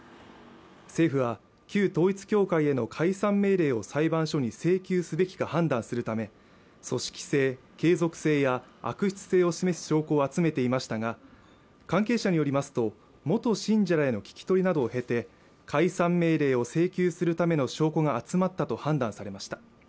政府が旧統一教会への解散命令を裁判所に請求すべきか判断するため組織性、継続性や悪質性を示す証拠を集めていましたが関係者によりますと元信者らへの聞き取りなどを経て解散命令を請求するための証拠が集まったと判断されました